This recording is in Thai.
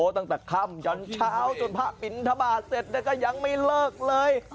ตั้งแต่ค่ำยันเช้าจนพระบินทบาทเสร็จก็ยังไม่เลิกเลย